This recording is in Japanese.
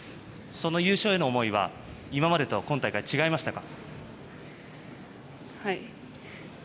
その優勝への思いは今までと今大会は違いましたか。